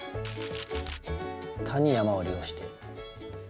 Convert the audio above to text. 谷山を利用して。